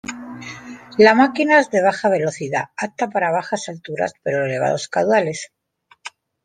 La máquina es de baja velocidad, apta para bajas alturas pero elevados caudales.